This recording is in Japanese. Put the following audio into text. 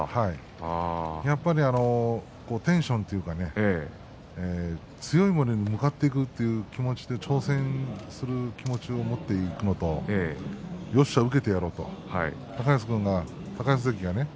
やっぱりテンションというかね強い者に向かっていくという気持ちで挑戦する気持ちを持っていくのとよっしゃ受けてやろうと高安関がね